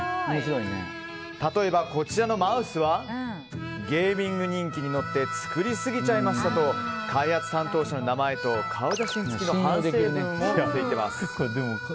例えば、こちらのマウスはゲーミング人気に乗って作りすぎちゃいましたと開発担当者の名前と顔写真付きの反省文を掲示。